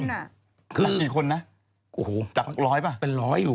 ตั้งกี่คนนะจักรร้อยป่ะเป็นร้อยอยู่